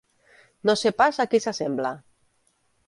No sé pas a qui s'assembla